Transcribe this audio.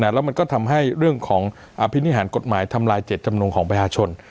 แล้วมันก็ทำให้เรื่องของอภินิหารกฎหมายทำลายเจ็ดจำนงของประชาชน